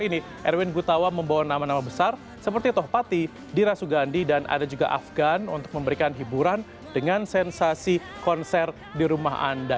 di konser virtual ini erwin gutawa membawa nama nama besar seperti tohpati di rasugandi dan ada juga afgan untuk memberikan hiburan dengan sensasi konser di rumah anda